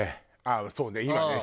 ああそうね今ね。